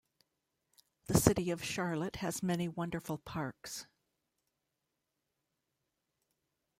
The city of Charlotte has many wonderful parks.